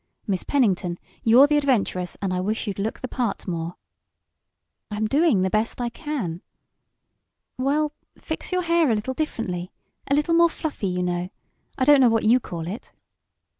Miss Pennington, you're the adventuress, and I wish you'd look the part more." "I'm doing the best I can." "Well, fix your hair a little differently a little more fluffy, you know I don't know what you call it."